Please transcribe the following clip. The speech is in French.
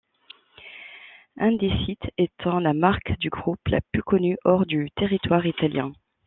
Indesit étant la marque du groupe la plus connue hors du territoire italien.